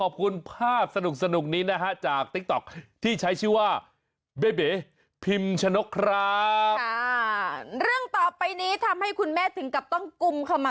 อ้าวแล้วงานนี้คุณพ่อจะรอดพ้นไปได้หรือเปล่าไปดูกันค่ะ